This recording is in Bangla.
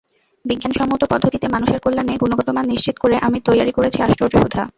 বিজ্ঞানসম্মত পদ্ধতিতে মানুষের কল্যাণে গুণগত মান নিশ্চিত করে আমি তৈয়ারি করেছি আশ্চর্য সুধা।